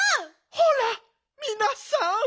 ほらみなさん